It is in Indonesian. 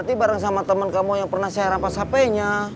nanti bareng sama temen kamu yang pernah saya rampas hp nya